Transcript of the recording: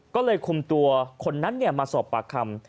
ก็เลยคุมตัวคนนั้นมาสอบปากคำ